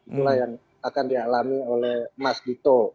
itulah yang akan dialami oleh mas dito